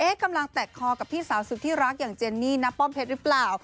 กำลังแตกคอกับพี่สาวสุดที่รักอย่างเจนนี่ณป้อมเพชรหรือเปล่า